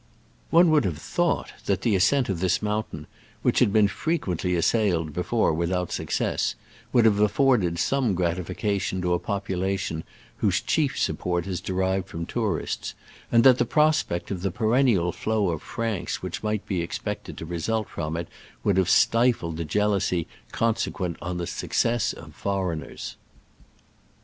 One would have thought that the as cent of this mountain, which had been frequently assailed before without suc cess, would have afforded some gratifi cation to a population whose chief sup port is derived from tourists, and that the prospect of the perennial flow of francs which might be expected to result from it would have stifled the jealousy consequent on the success of foreigners.